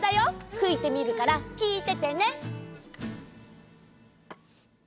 ふいてみるからきいててね！